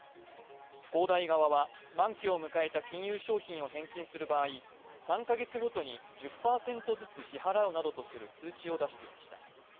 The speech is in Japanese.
恒大側は満期を迎えた金融商品を返金する場合、３カ月ごとに１０％ずつ支払うなどとする通知を出していました。